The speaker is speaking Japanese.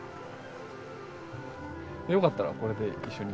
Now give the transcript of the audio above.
よかったらこれで一緒に。